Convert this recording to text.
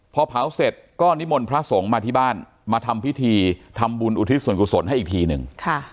พอเผาเสร็จก็นิมนต์พระสงฆ์มาที่บ้านมาทำพิธีทำบุญอุทิศส่วนกุศลให้อีกทีหนึ่ง